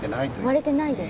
割れてないです。